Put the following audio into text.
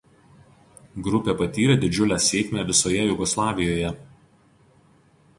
Grupė patyrė didžiulę sėkmę visoje Jugoslavijoje.